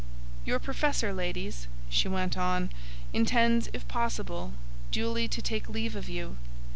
"Your Professor, ladies," she went on, "intends, if possible, duly to take leave of you.